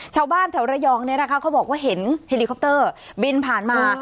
ชาวบ้านแถวระยองบอกว่าเห็นเฮลิคอปเตอร์บินผ่านมา